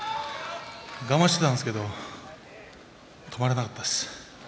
我慢していたんですけど止まらなかったです。